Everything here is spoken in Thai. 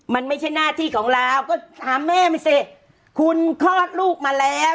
มันไม่ใช่หน้าที่ของเราก็ถามแม่มันสิคุณคลอดลูกมาแล้ว